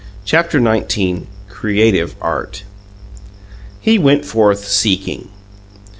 CHAPTER XIX. CREATIVE ART He went forth, seeking.